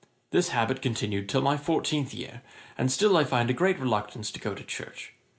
This habit continued till my fourteenth year; and still I find a great reluctance to go to church.